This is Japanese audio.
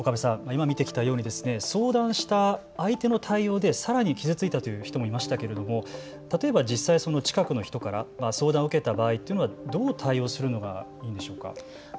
今、見てきたように相談した相手の対応でさらに傷ついたという人もいましたけれども実際に近くの人から相談を受けた場合はどう対応するのがいいのでしょうか。